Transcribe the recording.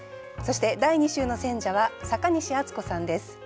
そして第２週の選者は阪西敦子さんです。